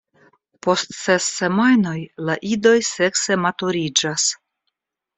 Post ses semajnoj la idoj sekse maturiĝas.